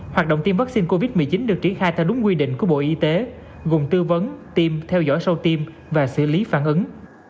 hoạt động tiêm vaccine covid một mươi chín được triển khai theo đúng quy định của bộ y tế gồm tư vấn tiêm theo dõi sau tiêm và xử lý phản ứng